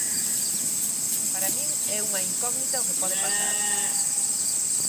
Para min é unha incógnita o que pode pasar.